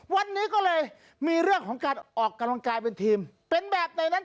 วันนี้ก็เลยมีเรื่องของการออกกำลังกายเป็นทีมเป็นแบบไหนนั้น